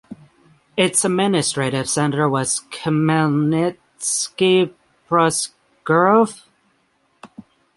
Its administrative centre was Khmelnytskyi ("Proskurov").